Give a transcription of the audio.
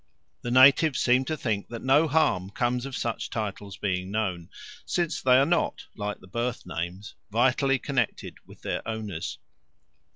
The natives seem to think that no harm comes of such titles being known, since they are not, like the birth names, vitally connected with their owners.